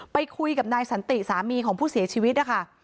ไปคุยกับนายสันติสามีของผู้เสียชีวิตนะคะ